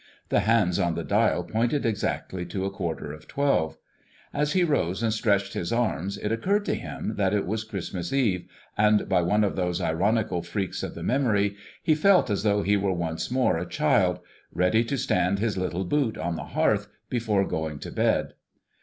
The hands on the dial pointed exactly to a quarter of twelve. As he rose and stretched his arms it occurred to him that it was Christmas Eve, and by one of those ironical freaks of the memory, he felt as though he were once more a child, ready to stand his little boot on the hearth before going to bed.